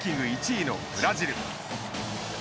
１位のブラジル。